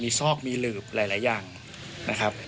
มีศอกมีหลืบหลายหลายอย่างนะครับ